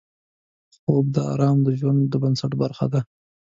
خوب د آرام د ژوند د بنسټ برخه ده